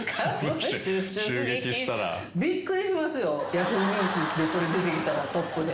Ｙａｈｏｏ！ニュースでそれ出てきたらトップで。